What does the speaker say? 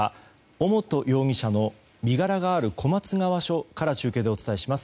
尾本容疑者の身柄がある小松川署から中継でお伝えします。